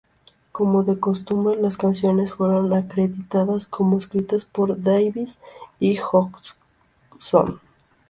Como de costumbre, las canciones fueron acreditadas como escritas por Davies y Hodgson.